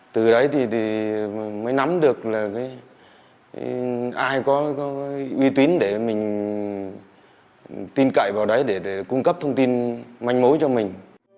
từ đấy thì mới nắm được là ai có uy tín để mình tin cậy vào đấy để cung cấp thông tin manh mối cho mình